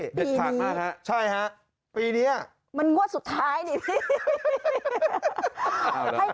เด็ดขาดมากฮะใช่ฮะปีนี้มันงวดสุดท้ายนี่พี่